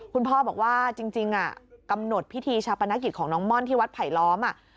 คุณพ่อบอกว่าจริงกำหนดพิธีชาปนกิจของน้องม่อนที่วัดไผลล้อม